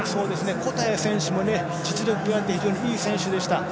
コタヤ選手も実力があって非常にいい選手でした。